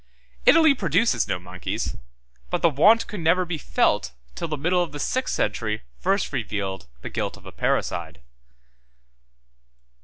175 Italy produces no monkeys; but the want could never be felt, till the middle of the sixth century first revealed the guilt of a parricide.